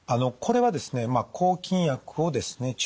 これはですね抗菌薬をですね